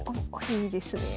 いいですね。